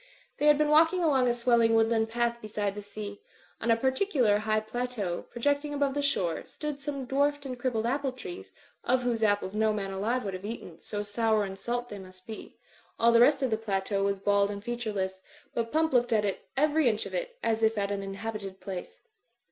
They had been walking along a swelling, woodland path beside the sea. On a particular high plateau, projecting above the shore, stood some dwarfed and crippled apple trees, of whose apples no man alive would have eaten, so sour and salt Jbgrjmjf* ^fee. All THE MARCH ON IVYWOOD 301 the rest of the plateau was bald and featureless, but Pump looked at every inch of it, as if at an inhabited place.